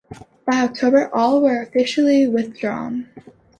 By October all were officially withdrawn.